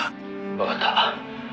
「わかった。